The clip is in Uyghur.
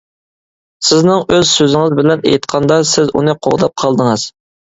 سىزنىڭ ئۆز سۆزىڭىز بىلەن ئېيتقاندا، سىز ئۇنى قوغداپ قالدىڭىز.